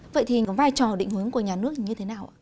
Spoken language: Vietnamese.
vậy thì vai trò định hướng của nhà nước như thế nào